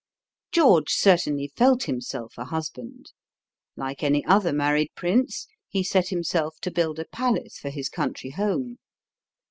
George certainly felt himself a husband. Like any other married prince, he set himself to build a palace for his country home.